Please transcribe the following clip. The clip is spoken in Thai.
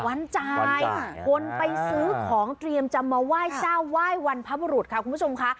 คนไปซื้อของเตรียมจะมาไหว่เจ้าไหว่วันพระบูรุษครับคุณผู้ชมค่ะ